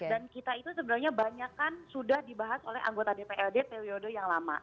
dan kita itu sebenarnya banyak kan sudah dibahas oleh anggota dprd periode yang lama